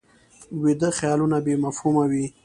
ویده خیالونه بې مفهومه وي